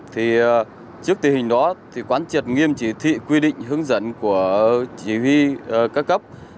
trước tình hình đó quán triệt nghiêm chỉ thị quy định hướng dẫn của chỉ huy ca cấp